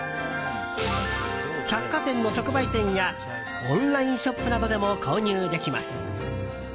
百貨店の直売店やオンラインショップなどでも購入できます。